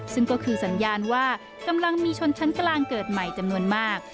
ซึ่งก็คือสัญญาณว่ากำลังมีชนชั้นกลางเกิดใหม่จำนวนมาก